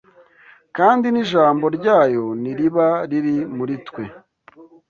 kandi n’ijambo ryayo ntiriba riri muri twe